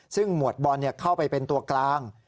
ซึ่งหมวดบอลเข้าไปเป็นตัวกลาง